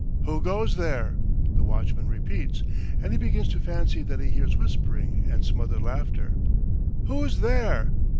"Who goes there?" the watchman repeats, and he begins to fancy that he hears whispering and smothered laughter. "Who's there?"